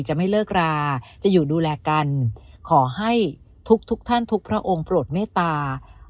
จะไม่เลิกราจะอยู่ดูแลกันขอให้ทุกทุกท่านทุกพระองค์โปรดเมตตา